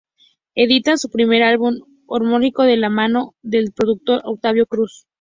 Editan su primer álbum homónimo de la mano del productor Octavio Cruz.